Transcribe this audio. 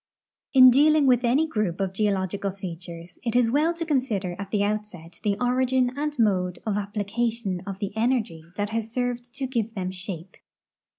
In dealing with any group of geological features, it is well to consider at the outset the origin and mode of application of the energy that has served to give them shape.